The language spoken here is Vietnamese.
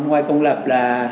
ngoài công lập là